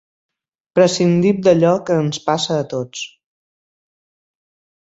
Prescindim d'allò que ens passa a tots.